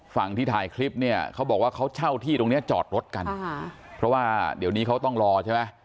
ฝั่งที่ถ่ายคลิปเนี่ยเขาบอกว่าเขาเช่าที่ตรงเนี้ยจอดรถกันค่ะเพราะว่าเดี๋ยวนี้เขาต้องรอใช่ไหม